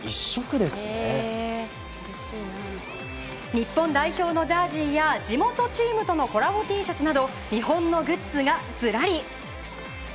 日本代表のジャージーや地元チームとのコラボＴシャツなど日本のグッズがずらり。